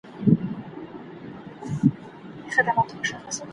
آیا د وچو مېوو صادرات ګاونډیو هېوادونو ته کېږي؟.